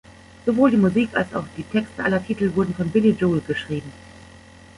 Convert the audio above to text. Sowohl die Musik als auch die Texte aller Titel wurden von Billy Joel geschrieben.